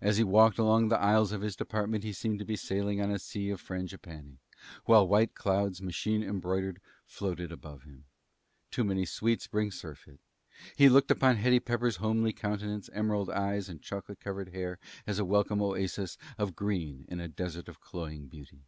As he walked along the aisles of his department he seemed to be sailing on a sea of frangipanni, while white clouds, machine embroidered, floated around him. Too many sweets bring surfeit. He looked upon Hetty Pepper's homely countenance, emerald eyes, and chocolate colored hair as a welcome oasis of green in a desert of cloying beauty.